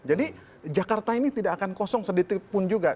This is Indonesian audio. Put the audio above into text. jadi jakarta ini tidak akan kosong sedikit pun juga